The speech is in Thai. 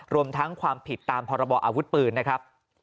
รวมทั้งความผิดตามพรบออาวุธปืนนะครับ